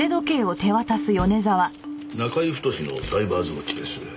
中居太のダイバーズウオッチです。